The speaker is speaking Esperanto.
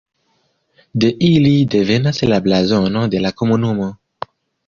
De ili devenas la blazono de la komunumo.